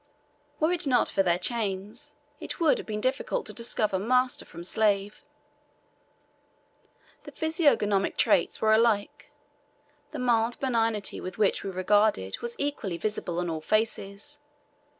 Were it not for their chains, it would have been difficult to discover master from slave; the physiognomic traits were alike the mild benignity with which we were regarded was equally visible on all faces.